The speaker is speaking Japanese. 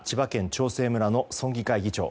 長生村の村議会議長。